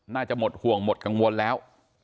น่าจะหมดห่วงหมดกังวลแล้ว